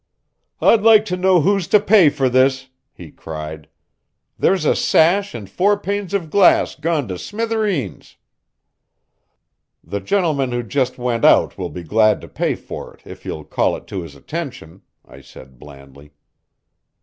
"I'd like to know who's to pay for this!" he cried. "There's a sash and four panes of glass gone to smithereens." "The gentleman who just went out will be glad to pay for it, if you'll call it to his attention," I said blandly.